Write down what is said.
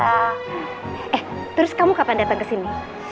eh terus kamu kapan datang kesini